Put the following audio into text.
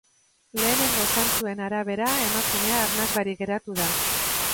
Lehenengo zantzuen arabera, emakumea arnas barik geratu da.